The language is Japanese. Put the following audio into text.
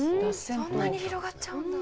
そんなに広がっちゃうんだ。